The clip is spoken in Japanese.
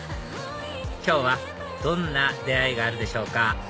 今日はどんな出会いがあるでしょうか？